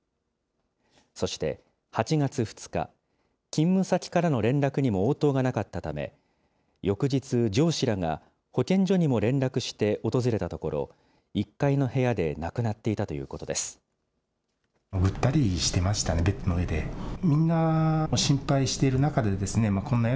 そして、８月２日、勤務先からの連絡にも応答がなかったため、翌日、上司らが保健所にも連絡して訪れたところ、１階の部屋で亡くなっていたということです。